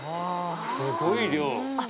すごい量。